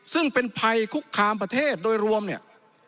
ซึ่งเป็นภัยคุกคามประเทศโดยรวมเนี่ย